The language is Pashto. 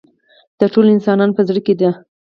د ټولو انسانانو په زړه کې ده.